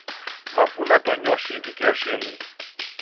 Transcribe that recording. Μα πού να το νιώσει η δικαιοσύνη!